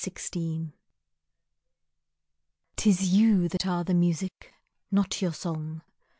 Listening 'T is you that are the music, not your song.